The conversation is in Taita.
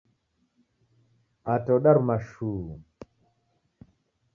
Ata odaruma shuu!